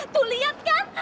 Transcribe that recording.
tuh lihat kan